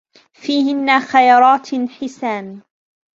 فيهن خيرات حسان